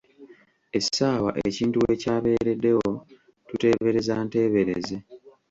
Essaawa ekintu we kya beereddewo tuteebereza nteebereze.